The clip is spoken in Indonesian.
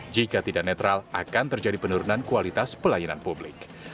jika tidak netral akan terjadi penurunan kualitas pelayanan publik